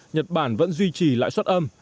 nhật bản vẫn duy trì lãi suất âm